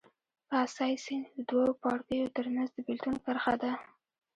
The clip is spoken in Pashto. کاسای سیند د دوو پاړکیو ترمنځ د بېلتون کرښه ده.